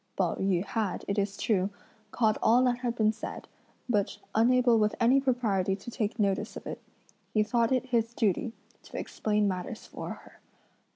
Pao yü had, it is true, caught all that had been said, but unable with any propriety to take notice of it, he thought it his duty to explain matters for her.